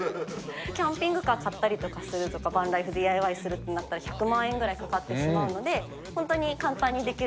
キャンピングカー買ったりするとか、バンライフＤＩＹするってなると、１００万円ぐらいかかってしまうので、本当に簡単にできる